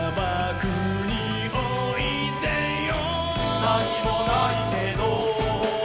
「なにもないけど」